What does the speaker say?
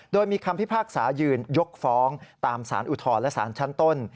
โดยมีคำพิพากษายืนยกฟ้องตามสารอุทธรณ์และสารชั้นต้น